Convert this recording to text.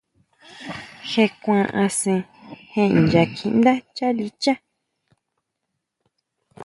Je kuan asén je nya kjiʼndá chalicha.